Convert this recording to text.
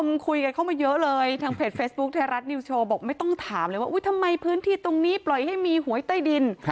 คนคุยกันเข้ามาเยอะเลยทางเพจเฟซบุ๊คไทยรัฐนิวโชว์บอกไม่ต้องถามเลยว่าทำไมพื้นที่ตรงนี้ปล่อยให้มีหวยใต้ดิน